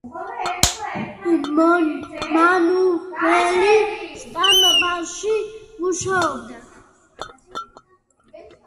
მანუელი სტამბაში მუშაობდა.